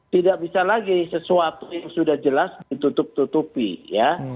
tidak bisa lagi sesuatu yang sudah jelas ditutup tutupi ya